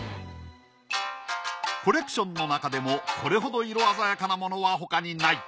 コレクションの中でもこれほど色鮮やかなものは他にない。